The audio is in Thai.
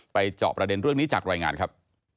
จอบประเด็นเรื่องนี้จากรายงานครับ